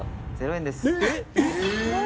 ０円です」